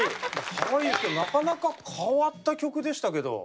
かわいいですけどなかなか変わった曲でしたけど。